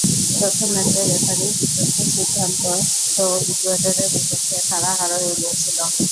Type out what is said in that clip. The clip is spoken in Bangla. প্রথম ম্যাচে রেফারির বিতর্কিত সিদ্ধান্তে তো ইকুয়েডরের বিপক্ষে তারা হারও এড়িয়ে ছিল।